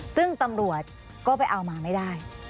ซึ่งตำรวจก็ไปเอามาไม่ได้